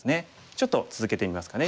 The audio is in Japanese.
ちょっと続けてみますかね。